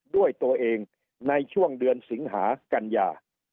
ด้วยตัวเองในช่วงเดือนสิงหากัญญา